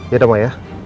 yaudah ma ya